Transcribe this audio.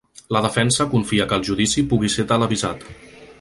La defensa confia que el judici pugui ser televisat.